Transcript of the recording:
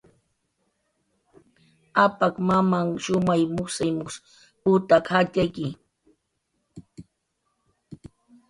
Apak mamanh shumay mujsay mujsw putak jatxayki